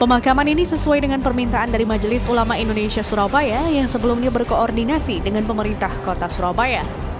pemakaman ini sesuai dengan permintaan dari majelis ulama indonesia surabaya yang sebelumnya berkoordinasi dengan pemerintah kota surabaya